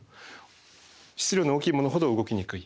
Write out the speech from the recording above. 質量の大きいものほど動きにくい。